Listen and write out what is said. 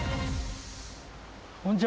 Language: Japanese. こんにちは。